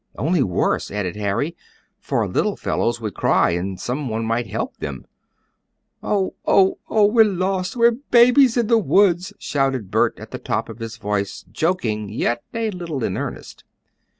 "Only worse," added Harry, "for little fellows would cry and someone might help them." "Oh! oh! oh! oh! we're lost! We're the babes in the woods!" shouted Bert at the top of his voice, joking, yet a little in earnest.